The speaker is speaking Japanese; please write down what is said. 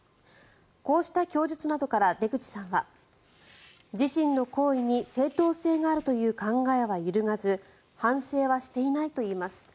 こうした供述などから出口さんは自身の行為に正当性があるという考えは揺るがず反省はしていないといいます。